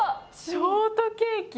ショートケーキ！